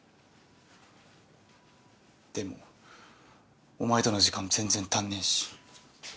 でもお前との時間全然足んねぇし。